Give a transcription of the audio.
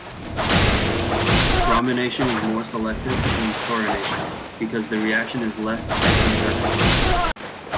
Bromination is more selective than chlorination because the reaction is less exothermic.